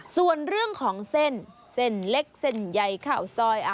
ส่วนเรื่องของเส้นเส้นเล็กเส้นใหญ่ข้าวซอย